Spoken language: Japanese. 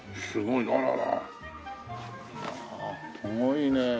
すごいね。